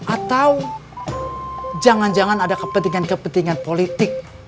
atau jangan jangan ada kepentingan kepentingan politik